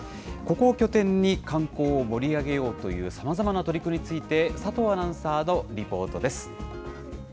ここを拠点に観光を盛り上げようというさまざまな取り組みについて、佐藤アナウンサーのリポートです。